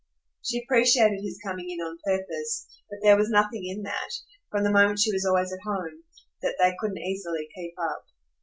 She appreciated his coming in on purpose, but there was nothing in that from the moment she was always at home that they couldn't easily keep up.